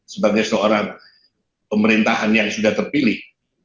sebagai seorang pemerintahan yang sudah terpilih